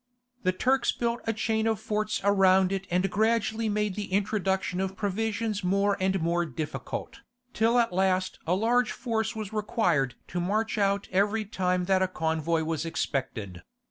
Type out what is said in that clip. The Turks built a chain of forts around it and gradually made the introduction of provisions more and more difficult, till at last a large force was required to march out every time that a convoy was expected.